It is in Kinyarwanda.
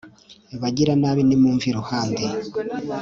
bagiranabi, nimumve iruhande